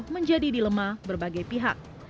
menjadi dilema berbagai pihak